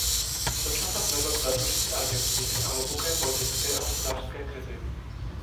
To časem vedlo k zadlužení Argentiny a hluboké politické a hospodářské krizi.